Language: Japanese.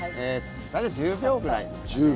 大体１０秒ぐらいですね。